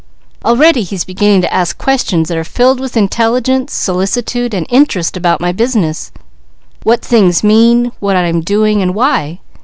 Already he's beginning to ask questions that are filled with intelligence, solicitude and interest about my business, what things mean, what I am doing, and why.